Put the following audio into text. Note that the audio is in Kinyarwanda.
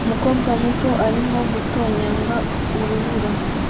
Umukobwa muto arimo gutonyanga urubura